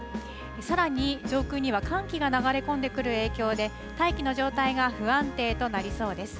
さらに上空には寒気が流れ込んでくる影響で大気の状態が不安定となりそうです。